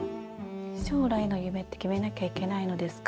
「しょうらいの夢って決めなきゃいけないのですか。」。